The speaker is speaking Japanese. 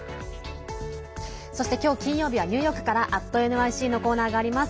そして、今日金曜日はニューヨークから「＠ｎｙｃ」のコーナーがあります。